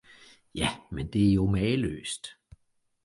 Ja, men det er jo mageløst!